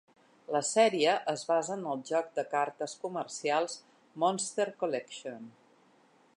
La sèrie es basa en el joc de cartes comercials Monster Collection.